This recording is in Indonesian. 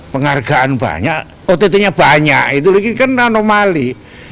penghargaan banyak ott nya banyak itu kan anomali